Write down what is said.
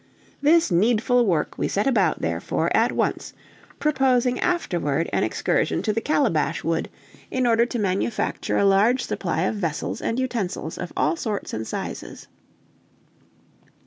This needful work we set about, therefore, at once, proposing afterward an excursion to the Calabash Wood, in order to manufacture a large supply of vessels and utensils of all sorts and sizes.